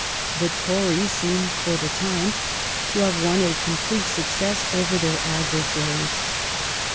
The Tories seemed for the time to have won a complete success over their adversaries.